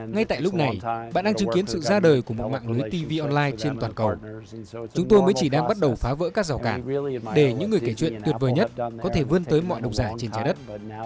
ngay tại lúc này bạn đang chứng kiến sự ra đời của một mạng lưới tv online trên toàn cầu chúng tôi mới chỉ đang bắt đầu phá vỡ các rào cản để những người kể chuyện tuyệt vời nhất có thể vươn tới mọi độc giả trên trái đất